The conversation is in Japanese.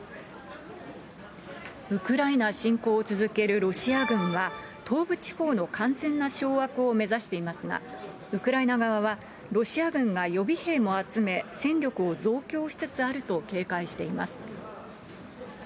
ウクライナ侵攻を続けるロシア軍は、東部地方の完全な掌握を目指していますが、ウクライナ側は、ロシア軍が予備兵も集め、戦力を増強しつつあると警戒しています。